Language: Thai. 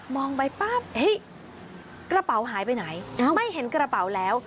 องไปปั๊บเฮ้ยกระเป๋าหายไปไหนไม่เห็นกระเป๋าแล้ว